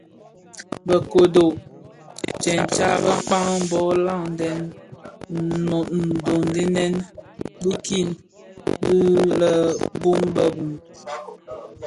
Be kodo tsëmtsa bekpag bō laden ndhoňdeňèn bikin bi lè bum bë mum.